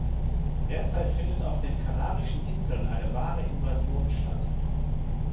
Derzeit findet auf den Kanarischen Inseln eine wahre Invasion statt.